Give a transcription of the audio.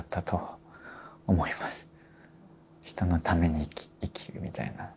人のために生きるみたいな。